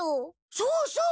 そうそう。